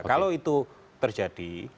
kalau itu terjadi